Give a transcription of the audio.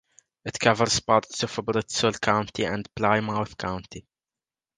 It covers parts of Bristol County and Plymouth County.